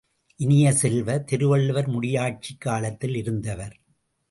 இனிய செல்வ, திருவள்ளுவர் முடியாட்சிக் காலத்தில் இருந்தவர்.